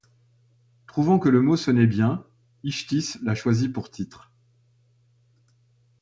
Trouvant que le mot sonnait bien, Ichtys l'a choisi pour titre.